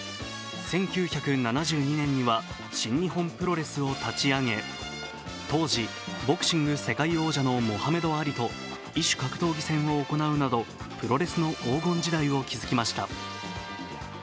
１９７２年には新日本プロレスを立ち上げ、当時、ボクシング世界王者のモハメド・アリと異種格闘技戦を行うなどプロレスの黄金時代を築きました。